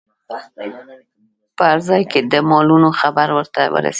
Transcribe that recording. په هر ځای کې د مالونو خبر ورته ورسید.